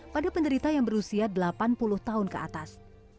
pada penderita yang berusia delapan puluh tahun ke atas